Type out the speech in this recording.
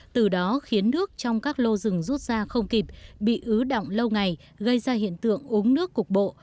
từ đó khiến nước trong các lô rừng rút ra không kịp bị ứ động lâu ngày gây ra hiện tượng uống nước cục bộ